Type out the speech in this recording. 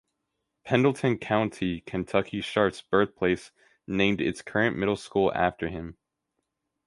Pendleton County, Kentucky-Sharp's birthplace-named its current middle school after him.